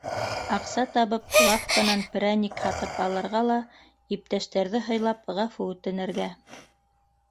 Аҡса табып, лавканан перәник һатып алырға ла, иптәштәрҙе һыйлап, ғәфү үтенергә.